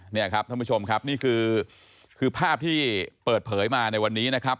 นี่ครับท่านผู้ชมครับนี่คือภาพที่เปิดเผยมาในวันนี้นะครับ